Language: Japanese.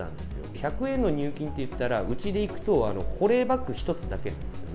１００円の入金っていったら、うちでいくと保冷バッグ１つだけなんですよね。